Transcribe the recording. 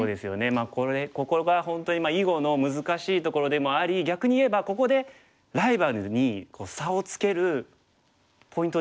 まあこれここが本当に囲碁の難しいところでもあり逆にいえばここでライバルに差をつけるポイントでもあるんですよね。